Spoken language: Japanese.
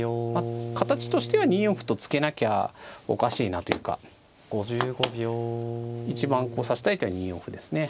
形としては２四歩と突けなきゃおかしいなというか一番指したい手は２四歩ですね。